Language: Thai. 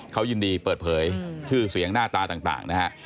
เขายินดีเปิดเผยชื่อเสียงหน้าตาต่างนะฮะ